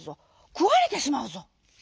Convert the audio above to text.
くわれてしまうぞ」。